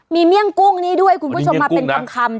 มีเมี่ยงกุ้งนี้ด้วยคุณผู้ชมมาเป็นคำ